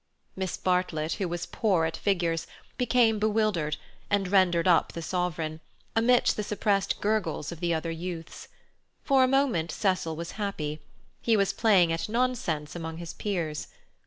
Miss Bartlett, who was poor at figures, became bewildered and rendered up the sovereign, amidst the suppressed gurgles of the other youths. For a moment Cecil was happy. He was playing at nonsense among his peers.